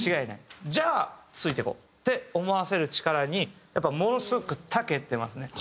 じゃあついていこうって思わせる力にやっぱものすごくたけてますね。